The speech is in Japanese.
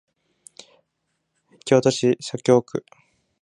京都市左京区